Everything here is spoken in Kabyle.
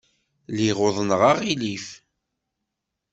Lliɣ uḍneɣ aɣilif.